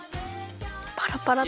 パラパラッと。